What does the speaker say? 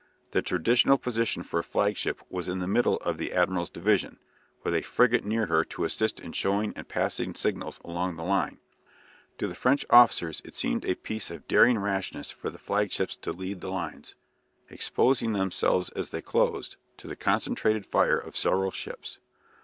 The traditional position for a flagship was in the middle of the admiral's division, with a frigate near her to assist in showing and passing signals along the line. To the French officers it seemed a piece of daring rashness for the flagships to lead the lines, exposing themselves as they closed to the concentrated fire of several ships.